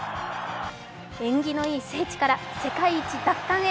縁起のいい聖地から世界一奪還へ。